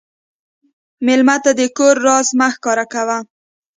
مېلمه ته د کور راز مه ښکاره کوه.